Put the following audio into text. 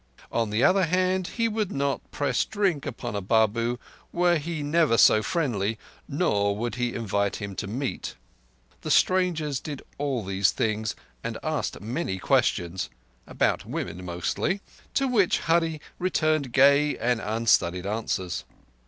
On the other hand, he would not press drink upon a Babu were he never so friendly, nor would he invite him to meat. The strangers did all these things, and asked many questions—about women mostly—to which Hurree returned gay and unstudied answers.